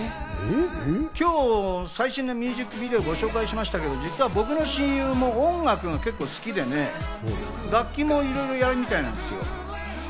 今日最新のミュージックビデオをご紹介しましたが、実は僕の親友も音楽が結構好きでね、楽器もいろいろやるみたいなんですよ。